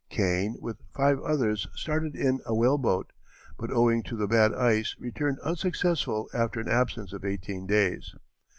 Kane with five others started in a whaleboat, but owing to the bad ice returned unsuccessful after an absence of eighteen days.